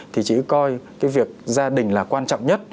thì chỉ coi cái việc gia đình là quan trọng nhất